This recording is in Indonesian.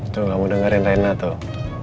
tuh kamu dengerin rena tuh